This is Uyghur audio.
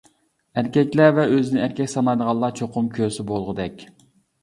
ئەركەكلەر ۋە ئۆزىنى ئەركەك سانايدىغانلار چوقۇم كۆرسە بولغۇدەك.